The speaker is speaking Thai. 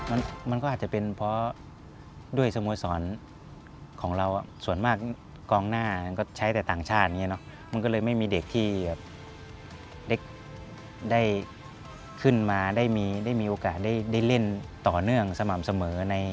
มันมันก็อาจจะเป็นเพราะด้วยสโมสรของเราส่วนมากกองหน้ามันก็ใช้แต่ต่างชาติอย่างนี้เนอะมันก็เลยไม่มีเด็กที่แบบได้ขึ้นมาได้มีโอกาสได้เล่นต่อเนื่องสม่ำเสมอใน